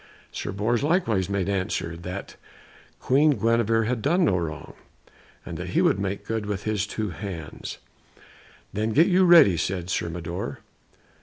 Sir Bors likewise made answer that Queen Guenevere had done no wrong, and that he would make good with his two hands. "Then get you ready," said Sir Mador.